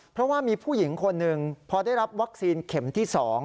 เพราะว่ามีผู้หญิงคนหนึ่งพอได้รับวัคซีนเข็มที่๒